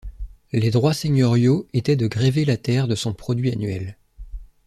Les droits seigneuriaux étaient de gréver la terre et son produit annuel.